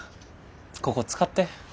ここ使って。